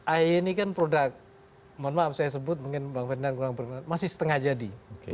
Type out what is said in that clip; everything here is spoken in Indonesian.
ahy ini kan produk mohon maaf saya sebut mungkin bang fernand kurang masih setengah jadi